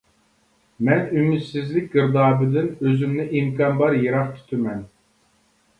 مەن ئۈمىدسىزلىك گىردابىدىن ئۆزۈمنى ئىمكان بار يىراق تۇتىمەن.